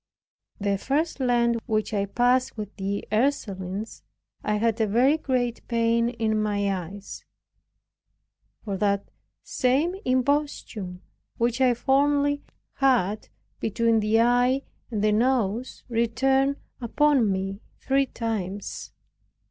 The first Lent which I passed with the Ursulines, I had a very great pain in my eyes; for that same imposthume which I formerly had between the eye and the nose, returned upon me three times.